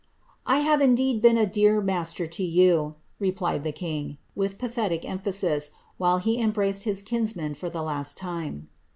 ^ I have indeed been a dear master to you," replied the kin|, with pathetic empliasis, while he embraced his kinsman for the hit time.'